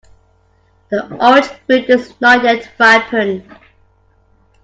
The orange fruit is not yet ripened.